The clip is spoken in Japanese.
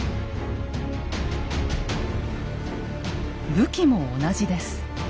武器も同じです。